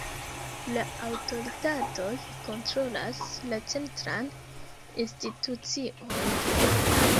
La aŭtoritatoj kontrolas la centran institucion.